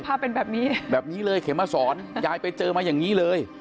ภาพเป็นแบบนี้แบบนี้เลยเขมมาสอนยายไปเจอมาอย่างนี้เลย